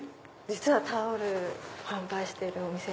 実はタオル販売してるお店。